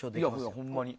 ほんまに。